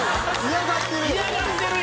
「嫌がってるよ」